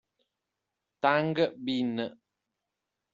Tang Bin